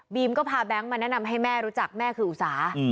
ก็พาแบงค์มาแนะนำให้แม่รู้จักแม่คืออุสา